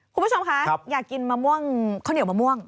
คุณผู้ชมคะอยากกินมะม่วงข้าวเหนียวมะม่วง